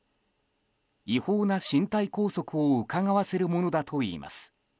違法な身体拘束をうかがわせるものだといいます。